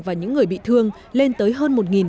và những người bị thương lên tới hơn